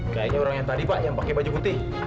kayaknya orang yang tadi pak yang pakai baju putih